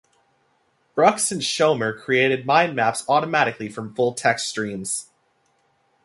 Brucks and Schommer created mind maps automatically from full-text streams.